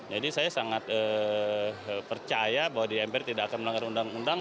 saya sangat percaya bahwa di mpr tidak akan melanggar undang undang